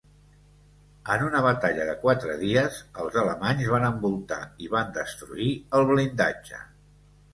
En una batalla de quatre dies, els alemanys van envoltar i van destruir el blindatge.